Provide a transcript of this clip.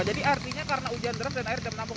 jadi artinya karena hujan deras dan air sudah menampung